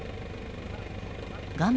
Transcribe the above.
画面